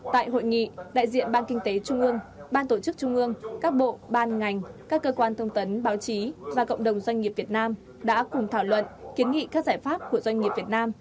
tại hội nghị đại diện ban kinh tế trung ương ban tổ chức trung ương các bộ ban ngành các cơ quan thông tấn báo chí và cộng đồng doanh nghiệp việt nam đã cùng thảo luận kiến nghị các giải pháp của doanh nghiệp việt nam